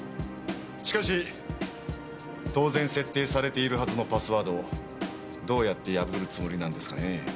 しかし当然設定されているはずのパスワードをどうやって破るつもりなんですかねぇ？